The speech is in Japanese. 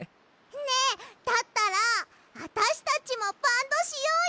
ねえだったらあたしたちもバンドしようよ！